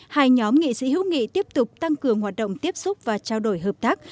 hai nhóm nghị sĩ hữu nghị tiếp tục tăng cường hoạt động tiếp xúc và trao đổi hợp tác